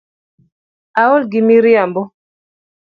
Aol gi miriambo .